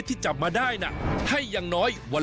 วันนี้พาลงใต้สุดไปดูวิธีของชาวเล่น